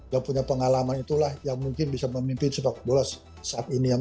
yang punya pengalaman itulah yang mungkin bisa memimpin sepak bola saat ini